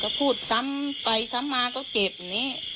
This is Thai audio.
ก็พูดซ้ำไปซ้ำมาก็เจ็บนี้